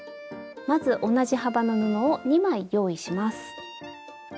まず同じ幅の布を２枚用意します。